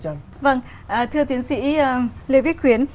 thưa tiến sĩ lê viết khuyến